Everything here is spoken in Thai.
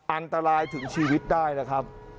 อันตรายถึงชีวิตได้นะครับ